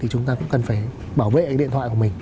thì chúng ta cũng cần phải bảo vệ điện thoại của mình